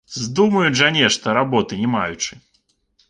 Здумаюць жа нешта, работы не маючы.